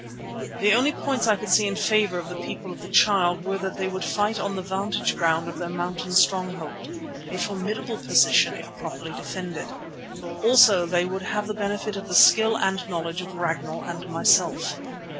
The only points I could see in favour of the People of the Child were that they would fight on the vantage ground of their mountain stronghold, a formidable position if properly defended. Also they would have the benefit of the skill and knowledge of Ragnall and myself.